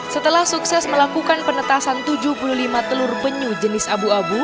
setelah sukses melakukan penetasan tujuh puluh lima telur penyu jenis abu abu